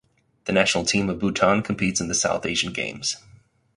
The national team of Bhutan competes in the South Asian Games.